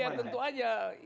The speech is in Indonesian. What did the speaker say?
iya tentu aja